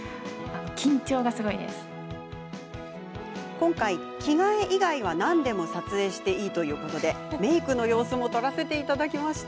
今回、着替え以外なんでも撮影していいというのでメークの様子も撮らせていただきました。